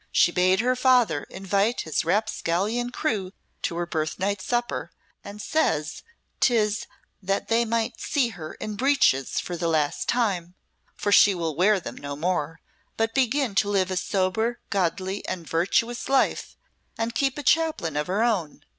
She bade her father invite his rapscallion crew to her birthnight supper, and says 'tis that they may see her in breeches for the last time, for she will wear them no more, but begin to live a sober, godly, and virtuous life and keep a Chaplain of her own.